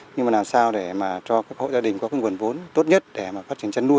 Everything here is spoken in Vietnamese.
nhưng mà làm sao để mà cho các hộ gia đình có cái nguồn vốn tốt nhất để mà phát triển chăn nuôi